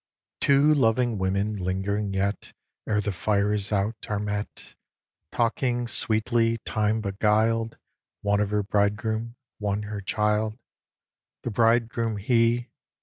Two loving women, lingering yet Ere the fire is out, are met, Talking sweetly, time beguil'd, One of her bridegroom, one her child, The bridegroom he.